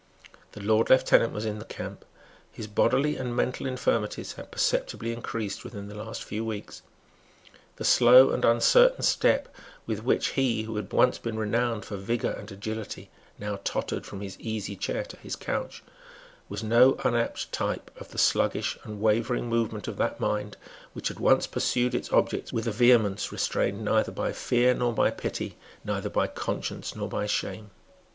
The Lord Lieutenant was in the camp. His bodily and mental infirmities had perceptibly increased within the last few weeks. The slow and uncertain step with which he, who had once been renowned for vigour and agility, now tottered from his easy chair to his couch, was no unapt type of the sluggish and wavering movement of that mind which had once pursued its objects with a vehemence restrained neither by fear nor by pity, neither by conscience nor by shame.